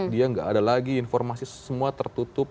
dia nggak ada lagi informasi semua tertutup